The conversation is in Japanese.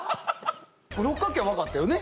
六角形は分かったよね